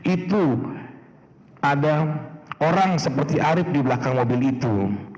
itu ada orang seperti arief di belakang mobil itu